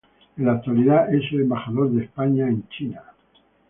En la actualidad es el embajador de España en China.